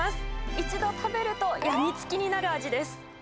一度食べると、病みつきになる味です。